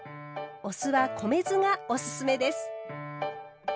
お酢は米酢がおすすめです。